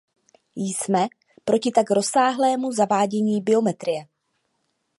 Jsme proti tak rozsáhlému zavádění biometrie.